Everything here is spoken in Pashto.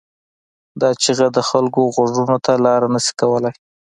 دا چیغه د خلکو غوږونو ته لاره نه شي کولای.